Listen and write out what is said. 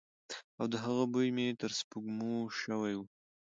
او د هغه بوی مې تر سپوږمو شوی وی.